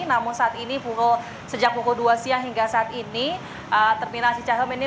namun saat ini sejak pukul dua siang hingga saat ini terminal cicahem ini